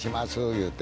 言うて。